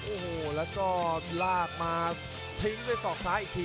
โอ้โหแล้วก็ลากมาทิ้งด้วยศอกซ้ายอีกที